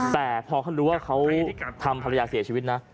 แต่พอเขารู้ว่าเขาทำภรรยาเสียชีวิตนะ